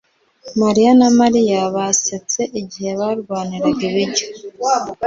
mariya na Mariya basetse igihe barwaniraga ibiryo